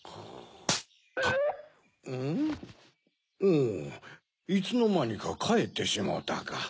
おぉいつのまにかかえってしもうたか。